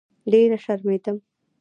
ډېره شرمېدم.